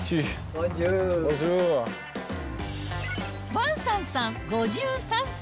ヴァンサンさん５３歳。